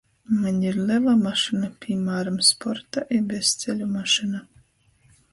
Maņ ir lela mašyna, pīmāram, sporta i bezceļu mašyna.